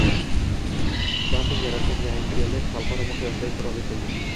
Banting yaratgan yangilik xalqaro miqyosda e’tirof etildi